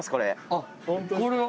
あっこれは。